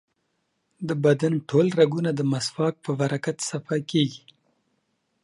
د بدن ټول رګونه د مسواک په برکت صفا کېږي.